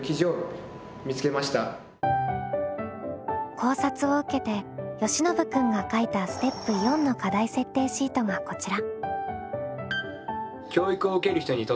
考察を受けてよしのぶくんが書いたステップ４の課題設定シートがこちら。